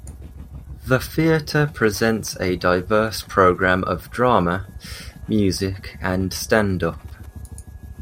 The theatre presents a diverse programme of drama, music and stand up.